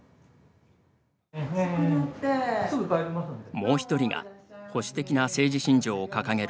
もう一人が保守的な政治信条を掲げる